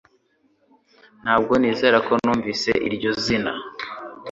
Ntabwo nizera ko numvise iryo zina